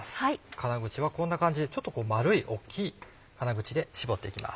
金口はこんな感じでちょっと丸い大っきい金口で絞って行きます。